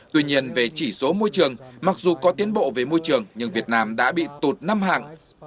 tuy nhiên về chỉ số môi trường mặc dù có tiến bộ về môi trường nhưng việt nam đã bị tụt năm hạng